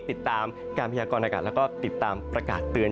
ติดตามการพยากรณากาศแล้วก็ติดตามประกาศเตือน